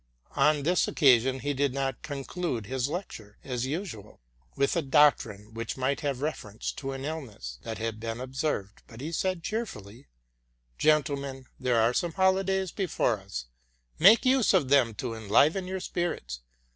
On this occasion he did not conclude his leeture, as usual, with a doetrine which might have reference to an illness that had been observed, but said cheerfully, Gentlemen, there are some holidays before us: make use of them to enliven your spirits.